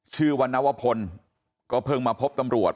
วันนวพลก็เพิ่งมาพบตำรวจ